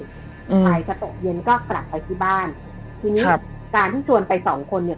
ใครจะตกเย็นก็กลับไปที่บ้านทีนี้ครับการที่ชวนไปสองคนเนี่ย